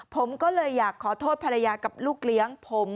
ผมก็เลยอยากขอโทษภรรยากับลูกเลี้ยงผม